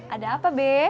ada apa be